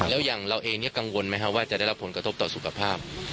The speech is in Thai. แล้วอย่างเราเองกังวลไหมครับว่าจะได้รับผลกระทบต่อสุขภาพ